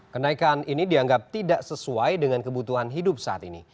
kenaikan ini dianggap tidak sesuai dengan kebutuhan hidup saat ini